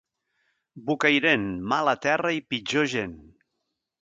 Bocairent, mala terra i pitjor gent.